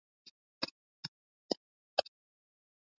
salama niko ndani ya nyumba kabisa kwende magazetini kunani leo